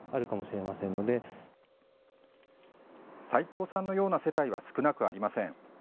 齊藤さんのような世帯は少なくありません。